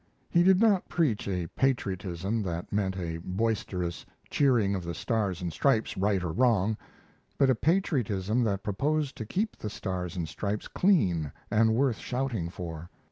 He did not preach a patriotism that meant a boisterous cheering of the Stars and Stripes right or wrong, but a patriotism that proposed to keep the Stars and Stripes clean and worth shouting for.